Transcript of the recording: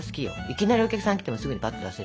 いきなりお客さん来てもすぐにぱっと出せる。